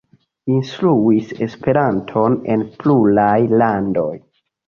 Instruis Esperanton en pluraj landoj.